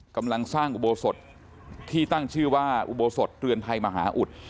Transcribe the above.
กำลังสร้างอุโบสถที่ตั้งชื่อว่าอุโบสถเรือนไทยมหาอุด